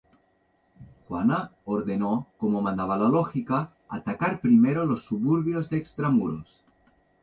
Juana ordenó, como mandaba la lógica, atacar primero los suburbios de extramuros.